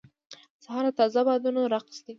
سهار د تازه بادونو رقص دی.